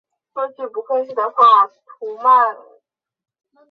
喙花姜属是姜科下的一个属。